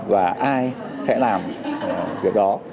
và ai sẽ làm việc đó